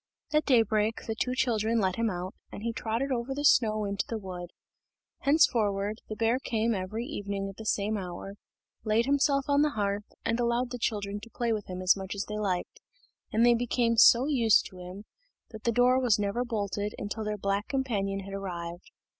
At daybreak the two children let him out, and he trotted over the snow into the wood. Henceforward, the bear came every evening at the same hour, laid himself on the hearth, and allowed the children to play with him as much as they liked; and they became so used to him, that the door was never bolted until their black companion had arrived.